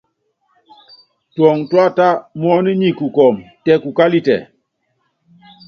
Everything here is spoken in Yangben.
Tuɔŋu túata, muɔ́nu nyi kɔ́ɔkun tɛ kukalitɛ.